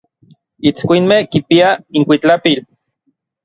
Itskuinmej kipiaj inkuitlapil.